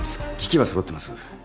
機器は揃ってます。